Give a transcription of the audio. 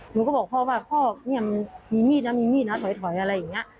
หนูก็บอกพ่อว่าพ่อเนี่ยมันมีมีดนะมีมีดนะถอยอะไรอย่างนี้